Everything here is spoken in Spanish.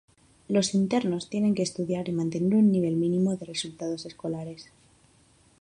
Los internos tienen que estudiar y mantener un nivel mínimo de resultados escolares.